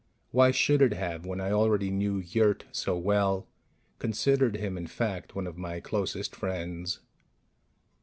Why should it have, when I already knew Yurt so well considered him, in fact, one of my closest friends?